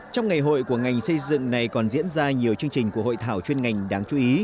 trong ngày hội của ngành xây dựng này còn diễn ra nhiều chương trình của hội thảo chuyên ngành đáng chú ý